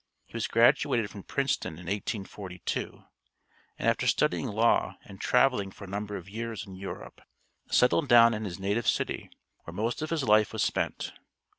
He was graduated from Princeton in 1842, and after studying law and traveling for a number of years in Europe, settled down in his native city, where most of his life was spent.